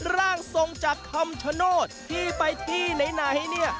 ร่างทรงจากคำชโนธที่ไปที่ไหนเนี่ย